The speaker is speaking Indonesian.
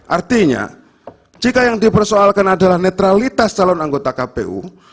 artinya jika yang dipersoalkan adalah netralitas calon anggota kpu